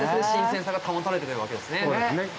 新鮮さが保たれてるわけですね